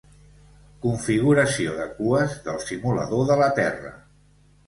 Configuració de cues del simulador de la Terra.